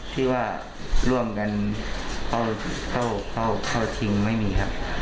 เห็นใจว่าไปดูแล้วก็เหตุวันนี้ครับ